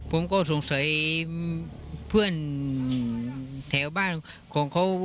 ผมก็สงสัยเพื่อนแถวบ้านของเขา